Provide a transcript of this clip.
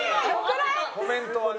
コメントはね。